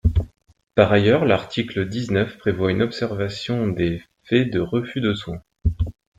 Par ailleurs, l’article dix-neuf prévoit une observation des faits de refus de soins.